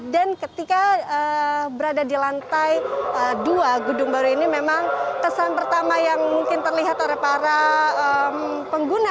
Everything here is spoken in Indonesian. dan ketika berada di lantai dua gedung baru ini memang kesan pertama yang mungkin terlihat oleh para pengguna